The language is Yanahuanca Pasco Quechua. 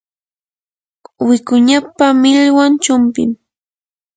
wikuñapa millwan chumpim.